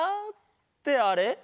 ってあれ？